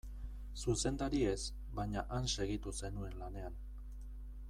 Zuzendari ez, baina han segitu zenuen lanean.